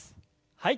はい。